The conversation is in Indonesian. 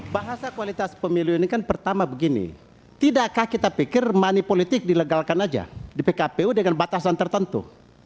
bahasa kualitas pemilu ini kan pertama begini tidakkah kita pikir money politik dilegalkan aja di pkpu dengan batasan tertentu